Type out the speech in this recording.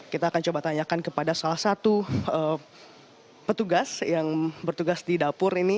kita akan coba tanyakan kepada salah satu petugas yang bertugas di dapur ini